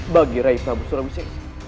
bagi raisa abu sulawesi